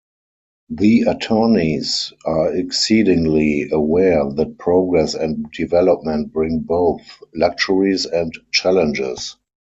The attorneys are exceedingly aware that progress and development bring both luxuries and challenges.